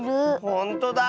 ほんとだ！